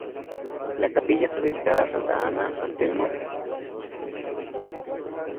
La capilla está dedicada a Santa Ana, San Telmo y San Nicolás.